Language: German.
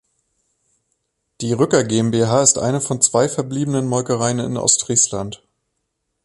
Die Rücker GmbH ist eine von zwei verbliebenen Molkereien in Ostfriesland.